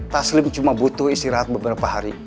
taslim cuma butuh istirahat beberapa hari